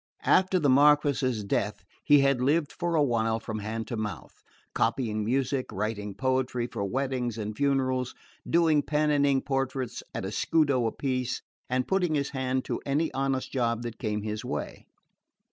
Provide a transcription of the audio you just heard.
After the Marquess's death he had lived for a while from hand to mouth, copying music, writing poetry for weddings and funerals, doing pen and ink portraits at a scudo apiece, and putting his hand to any honest job that came his way.